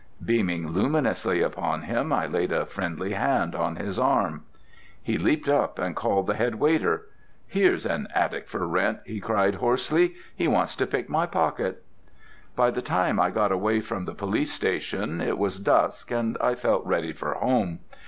Beaming luminously upon him, I laid a friendly hand on his arm. He leaped up and called the head waiter. "Here's an attic for rent!" he cried coarsely. "He wants to pick my pocket." By the time I got away from the police station it was dusk, and I felt ready for home.